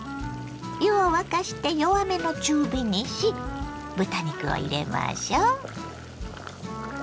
湯を沸かして弱めの中火にし豚肉を入れましょ。